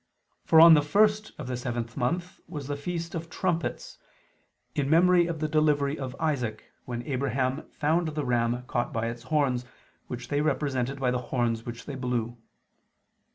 For on the first of the seventh month was the feast of "Trumpets," in memory of the delivery of Isaac, when Abraham found the ram caught by its horns, which they represented by the horns which they blew.